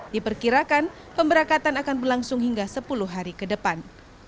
diperkirakan pemberangkatan akan berlangsung hingga sepuluh hari ke depan